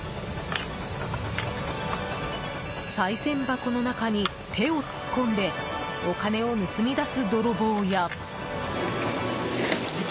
さい銭箱の中に手を突っ込んでお金を盗み出す泥棒や。